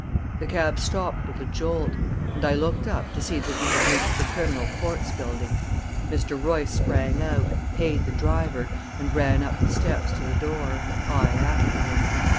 The cab stopped with a jolt, and I looked up to see that we had reached the Criminal Courts building. Mr. Royce sprang out, paid the driver, and ran up the steps to the door, I after him.